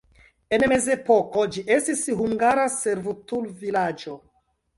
En mezepoko ĝi estis hungara servutulvilaĝo.